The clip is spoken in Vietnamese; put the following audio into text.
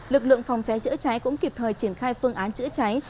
lực lượng phòng cháy chữa cháy cũng kịp thời triển khai phương án chữa cháy